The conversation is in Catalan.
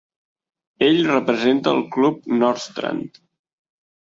Ell representa el club Nordstrand.